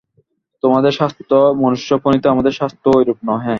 তোমাদের শাস্ত্র মনুষ্যপ্রণীত, আমাদের শাস্ত্র ঐরূপ নহে।